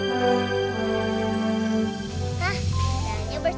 bunda dari tidak jadi perangi